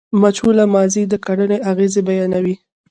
مجهوله ماضي د کړني اغېز بیانوي.